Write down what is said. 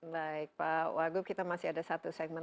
baik pak wagub kita masih ada satu segmen